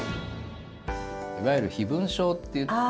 いわゆる飛蚊症っていって。